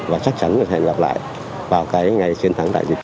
và chắc chắn sẽ gặp lại vào cái ngày chiến thắng đại dịch